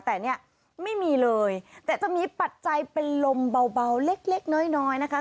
แต่เนี่ยไม่มีเลยแต่จะมีปัจจัยเป็นลมเบาเล็กน้อยน้อยนะคะ